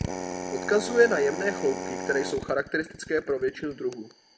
Odkazuje na jemné chloupky které jsou charakteristické pro většinu druhů.